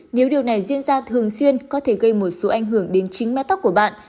nếu điều này diễn ra thường xuyên có thể gây một số ảnh hưởng đến chính máy tóc của bạn